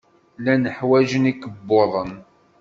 Llan ḥwajen ikebbuḍen.